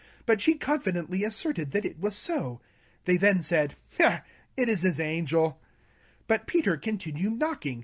But she confidently a^rmed that it was ao. 16 Then they said, " It is his angeL" • But Peter continued knocking.